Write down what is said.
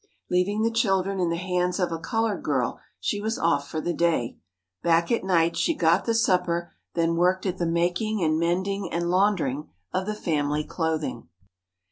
Leaving the children in the hands of a colored girl, she was off for the day. Back at night, she got the supper; then worked at the making and mending and laundering of the family clothing.